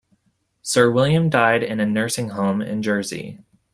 Sir William died in a nursing home in Jersey.